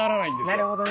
なるほどね。